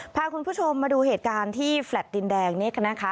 พาคุณผู้ชมมาดูเหตุการณ์ที่แฟลต์ดินแดงนี้กันนะคะ